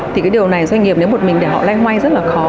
thì cái điều này doanh nghiệp nếu một mình để họ loay hoay rất là khó